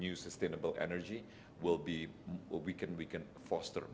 kolaborasi terhadap energi yang baru akan menjadi lebih banyak